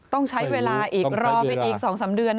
ต้องใช้เวลาอีกรอไปอีก๒๓เดือน